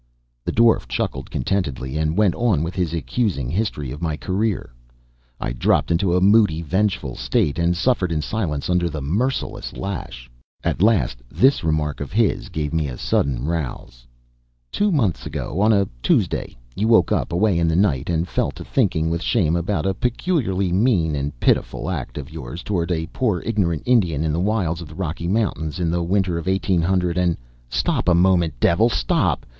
The dwarf chuckled contentedly, and went on with his accusing history of my career. I dropped into a moody, vengeful state, and suffered in silence under the merciless lash. At last this remark of his gave me a sudden rouse: "Two months ago, on a Tuesday, you woke up, away in the night, and fell to thinking, with shame, about a peculiarly mean and pitiful act of yours toward a poor ignorant Indian in the wilds of the Rocky Mountains in the winter of eighteen hundred and " "Stop a moment, devil! Stop!